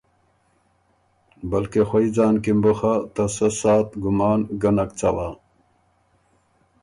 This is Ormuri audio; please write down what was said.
بلکې خوئ ځان کی م بُو خه ته سۀ ساعت ګمان ګه نک څوا۔